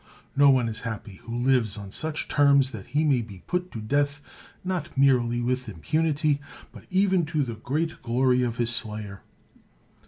No one is happy who lives on such terms that he may be put to death not merely with im punity, but even to the great glory of his slayer.